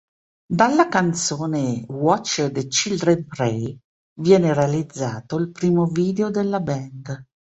Dalla canzone "Watch the Children Pray" viene realizzato il primo video della band.